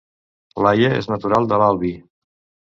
Laia és natural de l'Albi